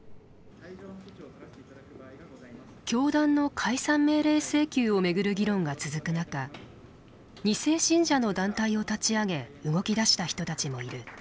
教団の解散命令請求を巡る議論が続く中２世信者の団体を立ち上げ動き出した人たちもいる。